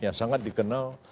yang sangat dikenal